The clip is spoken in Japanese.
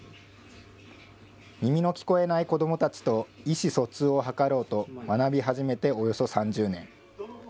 耳の聞こえない子どもたちと意思疎通を図ろうと、学び始めておよそ３０年。